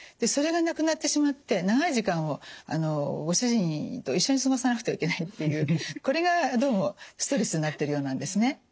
それがなくなってしまって長い時間をご主人と一緒に過ごさなくてはいけないというこれがどうもストレスになってるようなんですね。